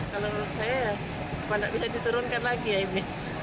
kalau menurut saya ya pada bila diterunkan lagi ya ini